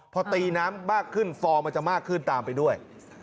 พอตีน้ำมากขึ้นฟองมันจะมากขึ้นตามไปด้วย